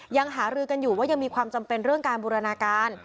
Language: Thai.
หารือกันอยู่ว่ายังมีความจำเป็นเรื่องการบูรณาการ